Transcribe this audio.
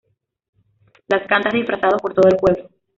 Las cantan disfrazados por todo el pueblo.